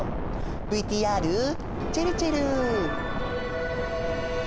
ＶＴＲちぇるちぇる！